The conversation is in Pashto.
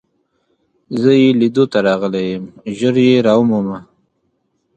زه يې لیدو ته راغلی یم، ژر يې را ومومه.